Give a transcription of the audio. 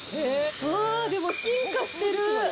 あーでも、進化してる。